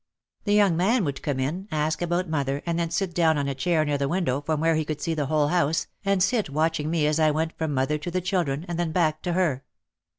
The young man would come in, ask about mother and then sit down on a chair near the window from where he could see the whole house, and sit watching me as I went from mother to the children and then back to her.